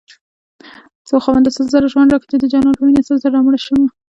خاونده سل ځله ژوند راكړې چې دجانان په مينه سل ځله مړشمه